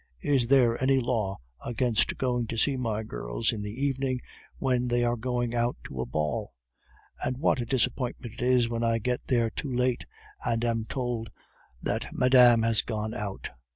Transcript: Is there any law against going to see my girls in the evening when they are going out to a ball? And what a disappointment it is when I get there too late, and am told that 'Madame has gone out!